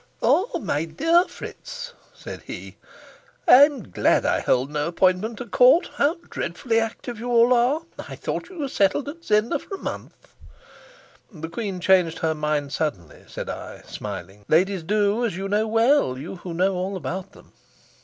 "Ah, my dear Fritz!" said he. "I am glad I hold no appointment at court. How dreadfully active you all are! I thought you were settled at Zenda for a month?" "The queen changed her mind suddenly," said I, smiling. "Ladies do, as you know well, you who know all about them."